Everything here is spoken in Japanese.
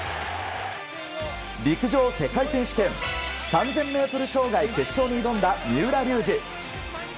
陸上世界選手権３０００ｍ障害決勝に挑んだ三浦龍司。